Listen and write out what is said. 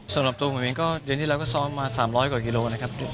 สำหรับตัวผมเองก็เดือนที่แล้วก็ซ้อมมา๓๐๐กว่ากิโลนะครับ